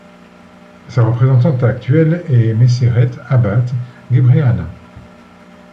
Sa représentante actuelle est Meseret Abate Gebrehana.